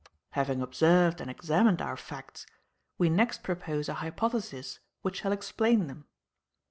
"Having observed and examined our facts, we next propose a hypothesis which shall explain them.